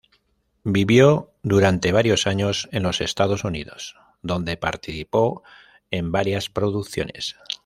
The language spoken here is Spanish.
Vivió durante varios años en los Estados Unidos donde participó en varias producciones.